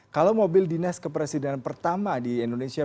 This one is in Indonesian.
kalau mobil dinas kepresidenan pertama di indonesia